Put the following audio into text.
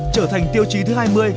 trở thành tiêu chí thứ hai mươi